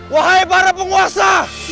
wahai para penguasa